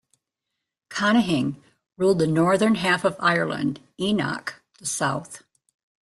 Conaing ruled the northern half of Ireland, Eochu the south.